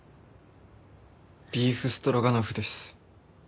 ビーフストロガノフです。